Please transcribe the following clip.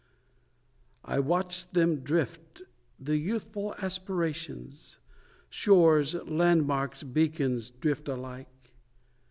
I watch them drift the youthful aspirations, Shores, landmarks, beacons, drift alike.